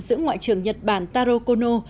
giữa ngoại trưởng nhật bản taro kono